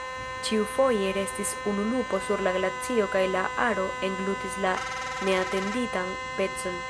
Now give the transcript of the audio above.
Ĉiufoje restis unu lupo sur la glacio kaj la aro englutis la neatenditan pecon.